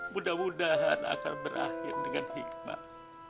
mudah mudahan akan berakhir dengan hikmat